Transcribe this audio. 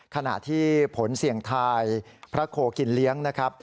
ขณะที่ผลเสี่ยงทายพระโคกินเลี้ยงนะครับ